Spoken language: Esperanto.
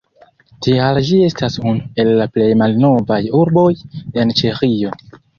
Tial ĝi estas unu el la plej malnovaj urboj en Ĉeĥio.